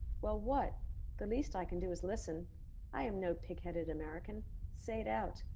Well what? The least I can do is listen; I am no pig headed American. Say it out.